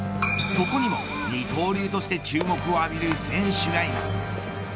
そこにも二刀流として注目を浴びる選手がいます。